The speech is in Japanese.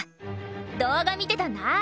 動画見てたんだ！